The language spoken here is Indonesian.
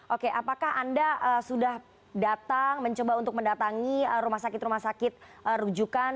oke apakah anda sudah datang mencoba untuk mendatangi rumah sakit rumah sakit rujukan